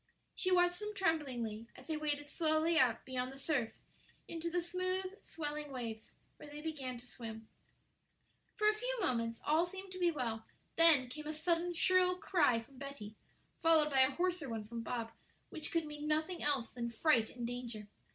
She watched them tremblingly as they waded slowly out beyond the surf into the smooth, swelling waves, where they began to swim. For a few moments all seemed to be well; then came a sudden shrill cry from Betty, followed by a hoarser one from Bob, which could mean nothing else than fright and danger.